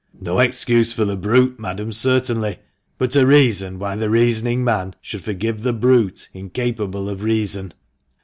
" No excuse for the brute, madam, certainly ; but a reason why a reasoning man should forgive the brute incapable ot reason."